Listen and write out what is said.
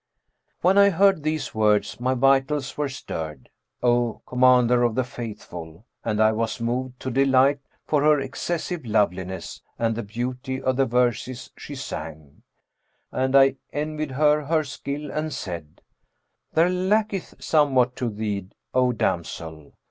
When I heard these words my vitals were stirred, O Commander of the Faithful, and I was moved to delight, for her excessive loveliness and the beauty of the verses she sang; and I envied her her skill and said, 'There lacketh somewhat to thee, O damsel!'